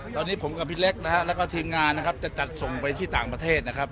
ตอนนี้ผมกับพี่เล็กนะฮะแล้วก็ทีมงานนะครับจะจัดส่งไปที่ต่างประเทศนะครับ